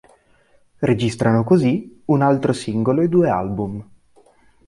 Registrano così un altro singolo e due album.